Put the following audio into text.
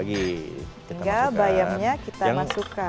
tinggal bayamnya kita masukkan